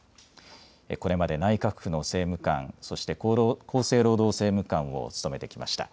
これまで内閣府の政務官、そして厚生労働政務官を務めてきました。